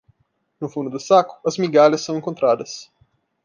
No fundo do saco, as migalhas são encontradas.